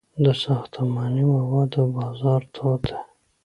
د ساختماني موادو بازار تود دی